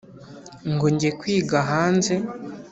ngo nge kwiga hanze